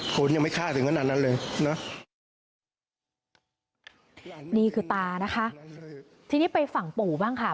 ฝนยังไม่ฆ่าถึงขนาดนั้นเลยนะนี่คือตานะคะทีนี้ไปฝั่งปู่บ้างค่ะ